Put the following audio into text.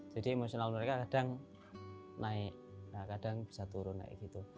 jadi emosional mereka kadang naik kadang bisa turun naik gitu